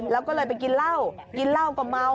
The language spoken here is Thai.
แล้วก็เลยไปกินเหล้ากินเหล้าก็เมา